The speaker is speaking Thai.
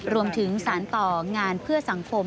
รวมถึงสารต่องานเพื่อสังคม